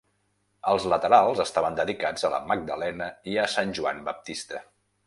Els laterals estaven dedicats a la Magdalena i a Sant Joan Baptista.